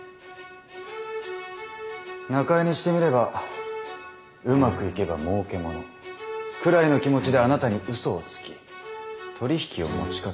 中江にしてみれば「うまくいけばもうけもの」くらいの気持ちであなたにうそをつき取り引きを持ちかけた。